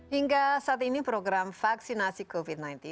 hingga saat ini program vaksinasi covid sembilan belas